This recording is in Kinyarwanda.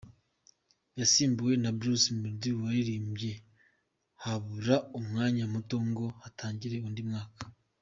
Yasimbuwe na Bruce Melodie waririmbye habura umwanya muto ngo hatangire undi mwaka.